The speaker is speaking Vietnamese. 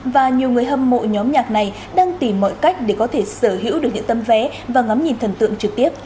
và nhiều người hâm mộ nhóm nhạc này đang tìm mọi cách để có thể sở hữu được những tấm vé và ngắm nhìn thần tượng trực tiếp